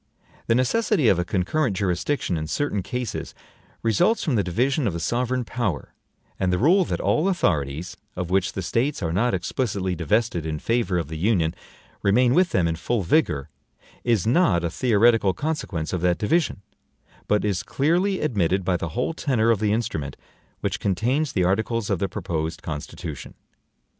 The necessity of a concurrent jurisdiction in certain cases results from the division of the sovereign power; and the rule that all authorities, of which the States are not explicitly divested in favor of the Union, remain with them in full vigor, is not a theoretical consequence of that division, but is clearly admitted by the whole tenor of the instrument which contains the articles of the proposed Constitution.